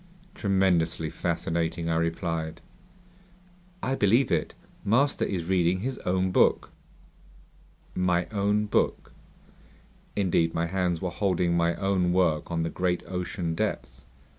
"Tremendously fascinating," I replied. "I believe it. Master is reading his own book!" "My own book?" Indeed, my hands were holding my own work on the great ocean depths.